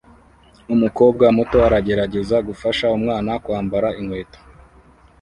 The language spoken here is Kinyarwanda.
Umukobwa muto aragerageza gufasha umwana kwambara inkweto